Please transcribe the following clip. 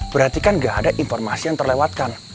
berarti kan gak ada informasi yang terlewatkan